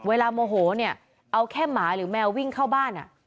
โมโหเนี่ยเอาแค่หมาหรือแมววิ่งเข้าบ้าน